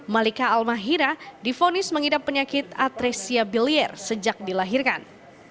malika almahira difonis mengidap penyakit atresia bilier sejak dilahirkan